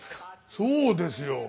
そうですよ。